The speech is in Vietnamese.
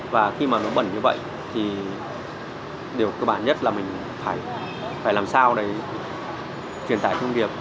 và khi mà nó bẩn như vậy thì điều cơ bản nhất là mình phải làm sao để truyền thải công việc